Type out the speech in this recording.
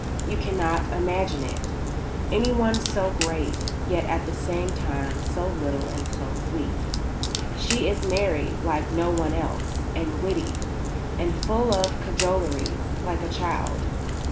You cannot imagine it, anyone so great, yet at the same time so little and so sweet. She is merry like no one else, and witty, and full of cajoleries, like a child.